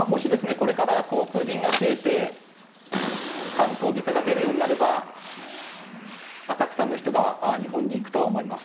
これから航空便が増えて観光ビザが出るようになればたくさんの人が日本に行くとは思います。